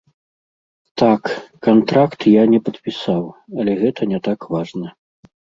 Так, кантракт я не падпісаў, але гэта не так важна.